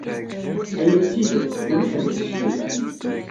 Aya d tidet, ulac deg-s ccek.